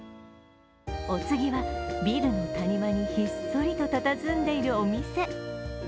お次はビルの谷間にひっそりとたたずんでいるお店。